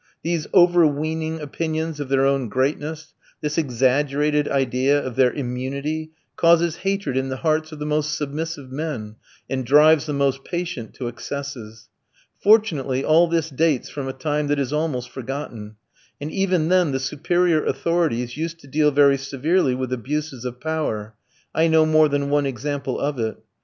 These overweening opinions of their own greatness; this exaggerated idea of their immunity, causes hatred in the hearts of the most submissive men, and drives the most patient to excesses. Fortunately, all this dates from a time that is almost forgotten, and even then the superior authorities used to deal very severely with abuses of power. I know more than one example of it.